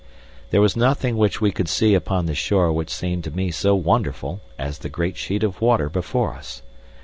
There was nothing which we could see upon the shore which seemed to me so wonderful as the great sheet of water before us.